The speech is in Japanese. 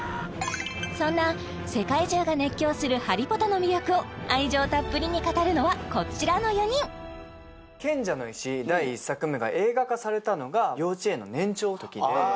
そんな世界中が熱狂する「ハリポタ」の魅力を愛情たっぷりに語るのはこちらの４人「賢者の石」第１作目が映画化されたのが幼稚園の年長のときであ